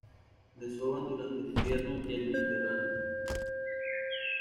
Desovan durante el invierno en el Mediterráneo.